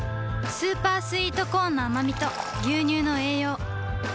スーパースイートコーンのあまみと牛乳の栄養